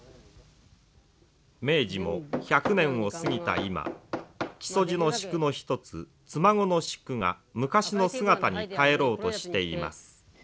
明治も１００年を過ぎた今木曽路の宿の一つ妻籠宿が昔の姿に返ろうとしています。